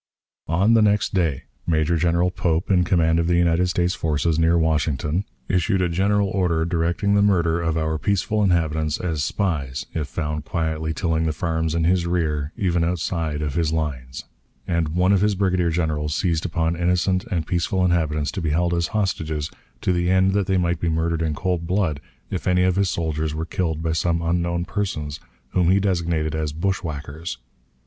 On the next day, Major General Pope, in command of the United States forces near Washington, issued a general order directing the murder of our peaceful inhabitants as spies, if found quietly tilling the farms in his rear, even outside of his lines; and one of his brigadier generals seized upon innocent and peaceful inhabitants to be held as hostages, to the end that they might be murdered in cold blood if any of his soldiers were killed by some unknown persons, whom he designated as "bushwhackers."